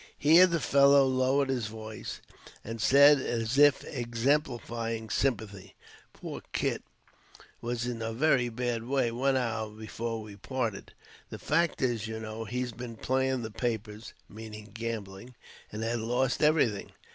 Here the fellow lowered his voice and said, as if exemplifying sympathy. "Poor Kit was in a very bad way one hour before we parted. The fact is, you know, he'd bin playin' the papers (meaning gambling) and had lost everything.